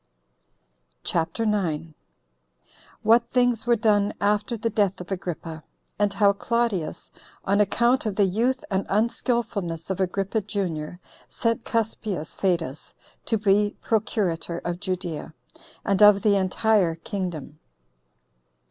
CHAPTER 9. What Things Were Done After The Death Of Agrippa; And How Claudius, On Account Of The Youth And Unskilfulness Of Agrippa, Junior, Sent Cuspius Fadus To Be Procurator Of Judea, And Of The Entire Kingdom.